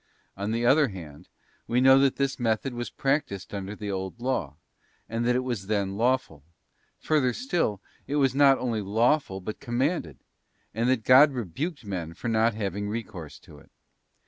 On the other hand, we know that this method was practised under the Old Law, and that it was then lawful; further still, that it was not only lawful but commanded, and that God rebuked men for not having recourse to it.